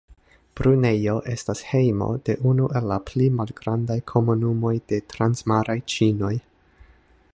Brunejo estas hejmo de unu el la pli malgrandaj komunumoj de transmaraj ĉinoj.